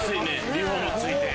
リフォーム付いて。